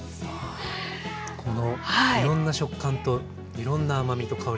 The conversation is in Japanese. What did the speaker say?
このいろんな食感といろんな甘みと香りと。